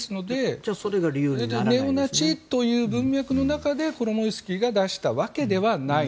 ネオナチという文脈の中でコロモウスキーが出したわけではない。